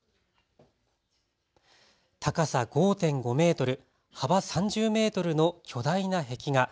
高さ５．５メートル、幅３０メートルの巨大な壁画。